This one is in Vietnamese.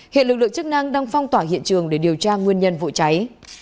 hiện lực lượng chức năng đang phong tỏa hiện trường để điều tra nguyên nhân vụ cháy